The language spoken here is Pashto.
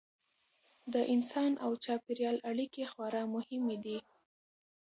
د انسان او چاپیریال اړیکې خورا مهمې دي.